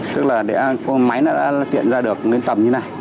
tức là để máy nó tiện ra được đến tầm như này